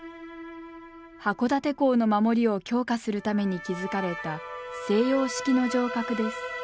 箱館港の守りを強化するために築かれた西洋式の城郭です。